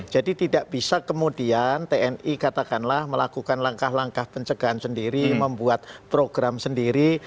jadi tidak bisa kemudian tni katakanlah melakukan langkah langkah pencegahan sendiri membuat program sendiri